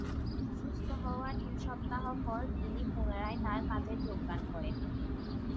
সুস্থ হওয়ার দুই সপ্তাহ পর তিনি পুনরায় তার কাজে যোগদান করেন।